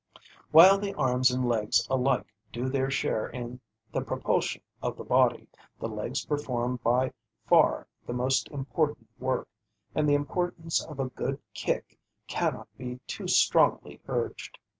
While the arms and legs alike do their share in the propulsion of the body, the legs perform by far the most important work, and the importance of a good "kick" cannot be too strongly urged.